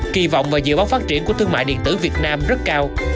kỳ vọng và dự báo phát triển của thương mại điện tử việt nam rất cao